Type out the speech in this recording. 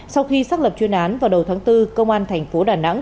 sau khi xác lập chuyên án vào đầu tháng bốn công an thành phố đà nẵng